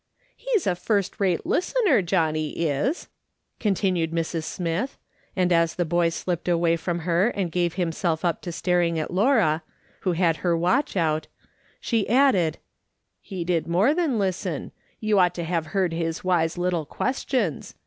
" He's a first rate listener, Johnny is," continued Mrs. Smith, and as the boy slipped away from her and gave himself up to staring at Laura, who had her watch out, she added :" He did more than listen. You ought to have heard his wise little questions.